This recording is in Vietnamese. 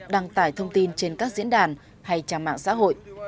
đăng tải thông tin trên các diễn đàn hay trang mạng xã hội